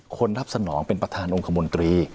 คนรับสนองเป็นประธานองคมนตรี